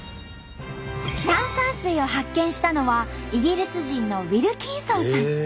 炭酸水を発見したのはイギリス人のウィルキンソンさん。